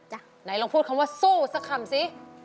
ไหนลองพูดคำว่าสู้สักคำสิ